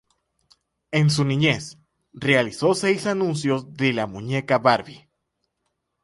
En su niñez, realizó seis anuncios de la muñeca Barbie.